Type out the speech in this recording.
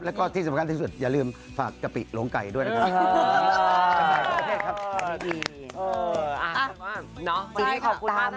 แล้วก็ที่สำคัญที่สุดอย่าลืมฝากกะปิลงไก่ด้วยนะครับ